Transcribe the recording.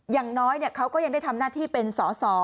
อย่างน้อยเขาก็ยังได้ทำหน้าที่เป็นสอสอ